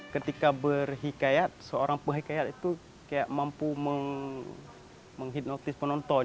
ketika berhikayat seorang penghikayat itu mampu menghidnotis penonton